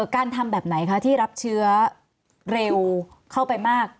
การทำแบบไหนคะที่รับเชื้อเร็วเข้าไปมาก